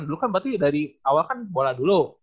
dulu kan berarti dari awal kan bola dulu